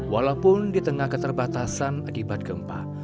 walaupun di tengah keterbatasan akibat gempa